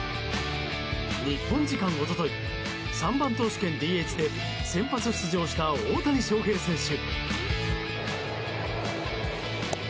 日本時間一昨日３番投手兼ＤＨで先発出場した大谷翔平選手。